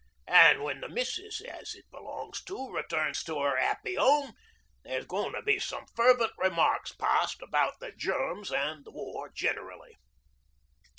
An' when the missus as it belongs to returns to 'er 'appy 'ome there's going to be some fervent remarks passed about the Germs an' the war generally.